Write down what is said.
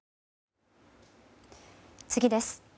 次です。